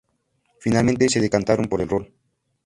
Finalmente se decantaron por el rol.